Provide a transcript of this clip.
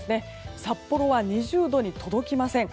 札幌は２０度に届きません。